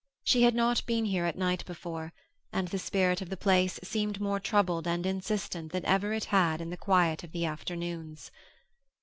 She had not been here at night before, and the spirit of the place seemed more troubled and insistent than ever it had in the quiet of the afternoons.